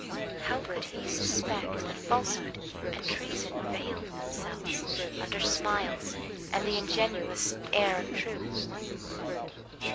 How could he suspect that falsehood and treason veiled themselves under smiles and the ingenuous air of truth?